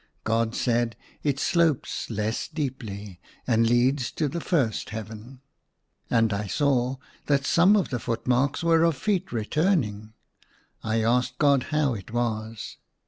God said, "It slopes less deeply, and leads to the first heaven." And I saw that some of the foot marks were of feet returning. I asked God how it was.